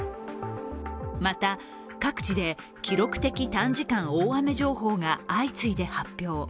また、各地で記録的短時間大雨情報が相次いで発表。